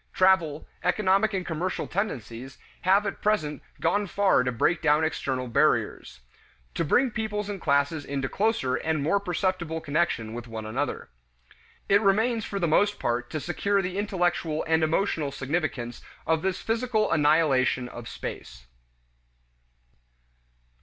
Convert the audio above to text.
Travel, economic and commercial tendencies, have at present gone far to break down external barriers; to bring peoples and classes into closer and more perceptible connection with one another. It remains for the most part to secure the intellectual and emotional significance of this physical annihilation of space.